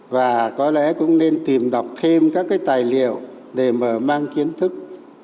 và có lẽ cũng nên tìm đọc thêm các cái tài liệu để mà mang kiến thức